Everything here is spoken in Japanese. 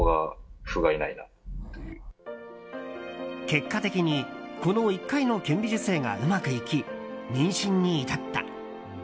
結果的にこの１回の顕微授精がうまくいき妊娠に至った。